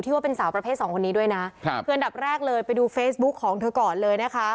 ว่าเป็นสาวประเภทสองคนนี้ด้วยนะครับคืออันดับแรกเลยไปดูเฟซบุ๊คของเธอก่อนเลยนะคะ